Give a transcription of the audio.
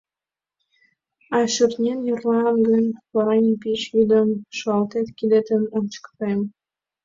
А шӱртнен йӧрлам гын поранан пич йӱдым, Шуялтет кидетым — ончыко каем.